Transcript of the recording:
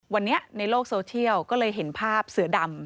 วันนี้ในโลกโซเชียลก็เลยเห็นภาพเสือดำ